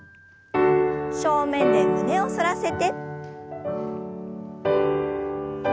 正面で胸を反らせて。